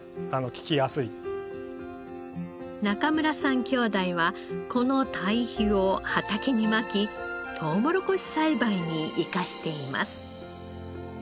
中村さん兄弟はこの堆肥を畑にまきとうもろこし栽培に生かしています。